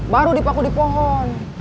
baru dipaku di pohon